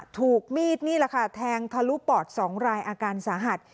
ถูกมีดนี่แหละค่ะแทงทะลุปอด๒รายอาการสาหัส